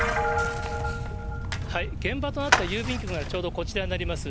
現場となった郵便局は、ちょうどこちらになります。